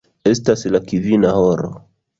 Estas la kvina horo.